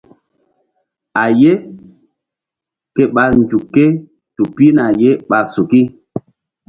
A ye ke ɓa nzuk ké tu pihna ye ɓa suki.